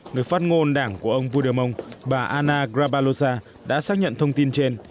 người phát ngôn đảng của ông phúy đơ mông bà anna grabalosa đã xác nhận thông tin trên